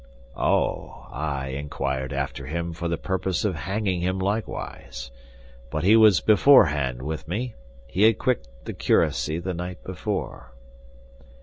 "Oh, I inquired after him for the purpose of hanging him likewise; but he was beforehand with me, he had quit the curacy the night before."